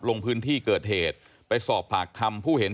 ลงพื้นที่เกิดเหตุไปสอบปากคำผู้เห็น